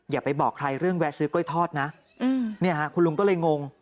อย่าไปบอกใครเรื่องแวะซื้อกล้วยทอดนะคุณลุงก็เลยงง